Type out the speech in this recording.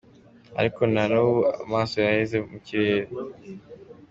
Ariko na n’ubu amaso yaheze mu kirere.